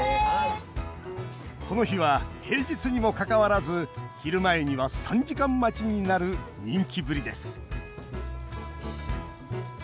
この日は平日にもかかわらず昼前には３時間待ちになる人気ぶりです。